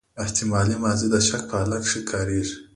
احتمالي ماضي د شک په حالت کښي کاریږي.